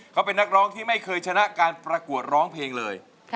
เขาเป็นนักร้องที่ไม่เคยชนะการประกวดร้องเพลงเลย